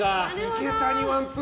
池谷ワンツー